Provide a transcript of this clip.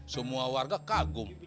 semua warga kagum